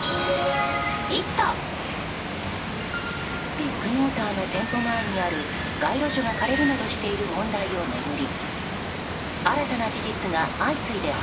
ビッグモーターの店舗前にある街路樹が枯れるなどしている問題を巡り